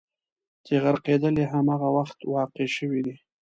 چې غرقېدل یې همغه وخت واقع شوي دي.